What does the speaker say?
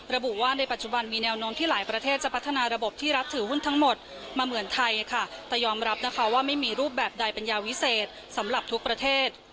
ระบุว่าในปัจจุบันมีแนวโน้มที่หลายประเทศจะพัฒนาระบบที่รัฐถือหุ้นทั้งหมดมาเหมือนไทยค่ะแต่ยอมรับนะคะว่าไม่มีรูปแบบใดเป็นยาวิเศษสำหรับทุกประเทศ